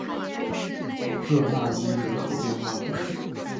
热讷伊人口变化图示